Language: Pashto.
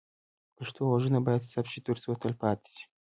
پښتو غږونه باید ثبت شي ترڅو تل پاتې شي.